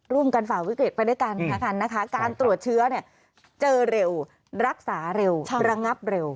ร่วมกันฝ่าวิกฤติไปด้วยกันนะคะการตรวจเชื้อเจอเร็วรักษาเร็วระงับเร็ว